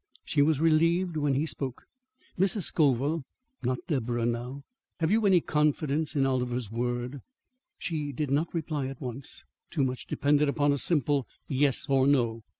She was relieved when he spoke. "Mrs. Scoville (not Deborah now) have you any confidence in Oliver's word?" She did not reply at once. Too much depended upon a simple yes or no.